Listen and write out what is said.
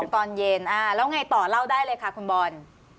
ตอนเย็นแล้วไงต่อเล่าได้เลยค่ะคุณบอล